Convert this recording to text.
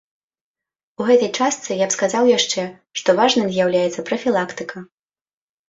У гэтай частцы я б сказаў яшчэ, што важным з'яўляецца прафілактыка.